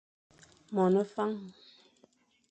Mone Fañ,